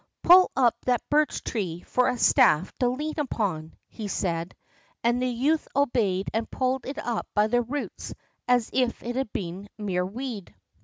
"Pull up that birch tree for a staff to lean upon," he said, and the youth obeyed and pulled it up by the roots as if it had been a mere weed.